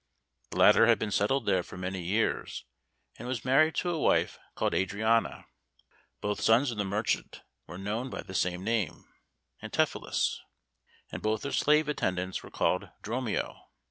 The latter had been settled there for many years, and was married to a wife called Adriana. Both sons of the merchant were known by the same name "Antipholus," and both their slave attendants were called "Dromio."